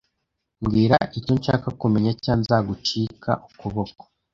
Mbwira icyo nshaka kumenya cyangwa nzagucika ukuboko